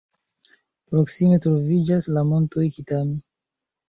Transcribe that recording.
Proksime troviĝas la Montoj Kitami.